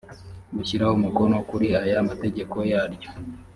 gushyira umukono kuri aya mategeko yaryo